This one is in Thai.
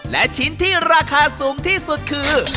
และชิ้นที่ราคาสูงที่สุดคือ